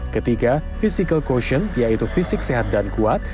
ketiga physical quotient yaitu fisik sehat dan kuat